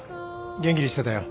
元気にしてたよ